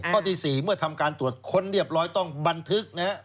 ข้อที่๔เมื่อทำการตรวจค้นเรียบร้อยต้องบันทึกนะครับ